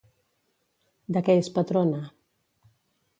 De què és patrona?